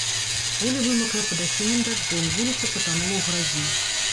Поле вымакла пад асеннім дажджом, вуліца патанула ў гразі.